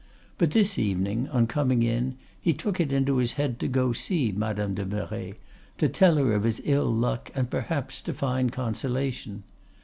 But this evening, on coming in, he took it into his head to go to see Madame de Merret, to tell her of his ill luck, and perhaps to find consolation.